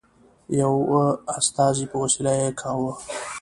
یوه استازي په وسیله یې کاوه.